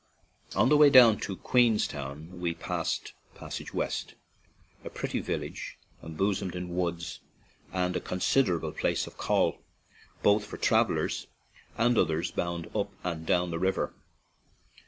On the way down to Queenstown we passed Passage West, a pretty village em bosomed in woods, and a considerable place of call, both for travelers and others bound up and down the river.